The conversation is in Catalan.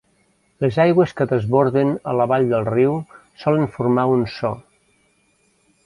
Les aigües que desborden a la vall del riu solen formar un so.